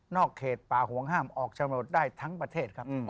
เขตป่าห่วงห้ามออกโฉนดได้ทั้งประเทศครับ